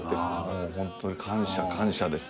もうホントに感謝感謝です。